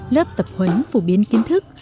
lớp tập huấn phổ biến kiến thức